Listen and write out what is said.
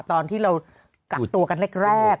ตอนที่เรากักตัวกันแรก